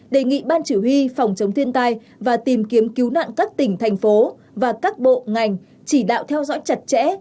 đề nghị ban chỉ huy phòng chống thiên tai và tìm kiếm cứu nạn các tỉnh thành phố và các bộ ngành chỉ đạo theo dõi chặt chẽ